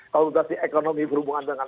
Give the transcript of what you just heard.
kalau berarti ekonomi berhubungan dengan